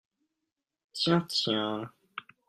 Tiens, tiens